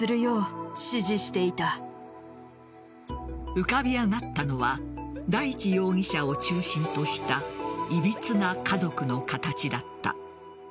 浮かび上がったのは大地容疑者を中心としたいびつな家族の形だった。